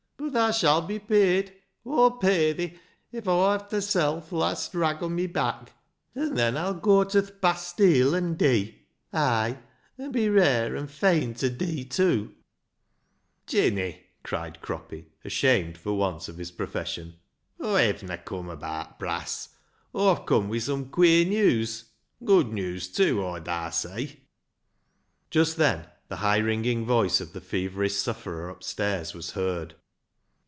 But thaa shall be paid. Aw'll pay thi if Aw hev ta sell th' last rag o' my back. An' then Aw'll goa to th' bastile an' dee. Ay, an' be rare an' fain ta dee tew !" "Jinny," cried Croppy, ashamed for once of his profession, " Aw hev'na come abaat brass. Aw've come wi' some queer news. Good news tew. Aw darr say !" Just then the high ringing voice of the feverish sufferer upstairs was heard.